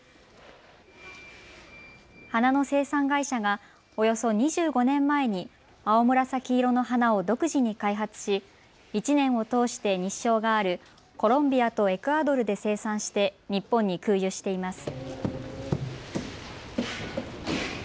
花の生産会社がおよそ２５年前に青紫色の花を独自に開発し１年を通して日照があるコロンビアとエクアドルで生産して日本に空輸しています。